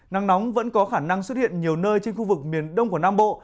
nắng nóng vẫn có khả năng xuất hiện nhiều nơi trên khu vực miền đông của nam bộ